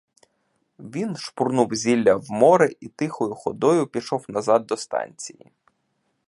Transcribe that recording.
Він шпурнув зілля в море і тихою ходою пішов назад до станції.